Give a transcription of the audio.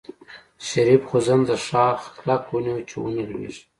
شريف خوځنده شاخ کلک ونيو چې ونه لوېږي.